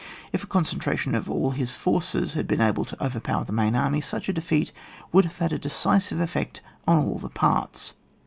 If by a concen tration of cdl his forces he had been able to overpower the main army, such a defeat would have had a decisive effect on all the parts.